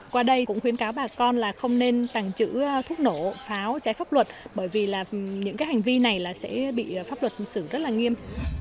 qua đây cũng khuyến cáo bà con là không nên tàng trữ thuốc nổ pháo trái pháp luật bởi vì là những cái hành vi này là sẽ bị pháp luật xử rất là nghiêm